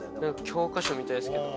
教科書みたいですけど。